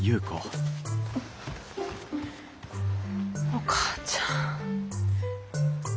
お母ちゃん。